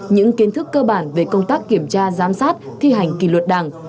những kiến thức cơ bản về công tác kiểm tra giám sát thi hành kỷ luật đảng